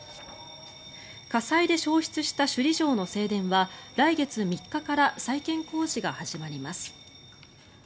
火災で焼失した首里城の正殿は来月３日から再建工事が始まります。